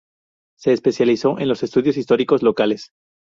Se especializó en estudios históricos locales.